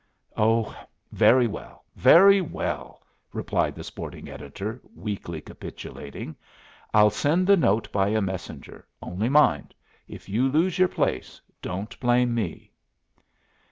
"Oh, very well, very well," replied the sporting editor, weakly capitulating. "I'll send the note by a messenger; only mind, if you lose your place, don't blame me."